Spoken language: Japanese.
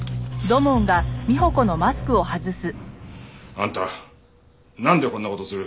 あんたなんでこんな事をする！？